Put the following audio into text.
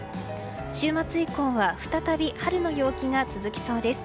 週末以降は再び春の陽気が続きそうです。